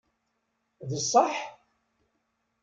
D ṣṣeḥ?